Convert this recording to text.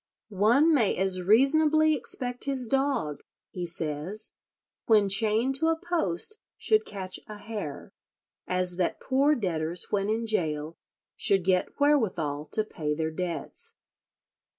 One may as reasonably expect his dog," he says, "when chained to a post should catch a hare, as that poor debtors when in gaol should get wherewithal to pay their debts."